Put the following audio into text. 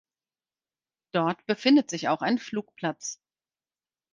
Dort befindet sich auch ein Flugplatz.